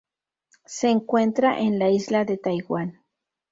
Se encuentra en la isla de Taiwán.